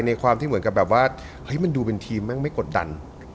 ในความที่เหมือนกับแบบว่าเฮ้ยมันดูเป็นทีมแม่งไม่กดดัน